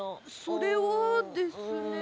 それはですね。